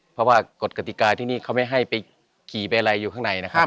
เพราะว่ากฎกติกาที่นี่เขาไม่ให้ไปขี่ไปอะไรอยู่ข้างในนะครับ